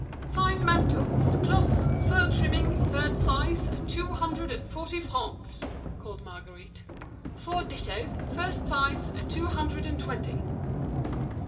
"Five mantles, cloth, fur trimming, third size, at two hundred and forty francs!" cried Marguerite. "Four ditto, first size, at two hundred and twenty!"